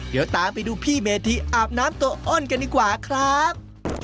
เดี๋ยวตามไปดูพี่เมธีอาบน้ำตัวอ้นกันดีกว่าครับ